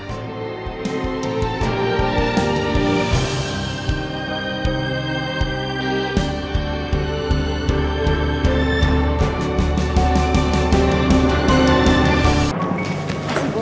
terima kasih bu